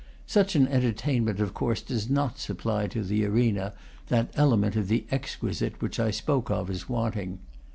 Such an entertainment of course does not supply to the arena that element of the exquisite which I spoke of as wanting.